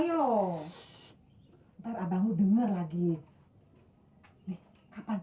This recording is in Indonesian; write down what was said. iya dah yang penting komisinya raya